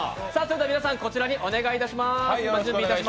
皆さん、こちらにお願いします。